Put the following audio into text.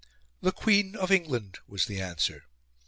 "The Queen of England" was the answer.